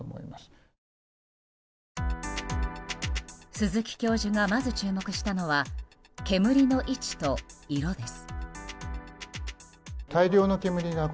鈴木教授が、まず注目したのは煙の位置と色です。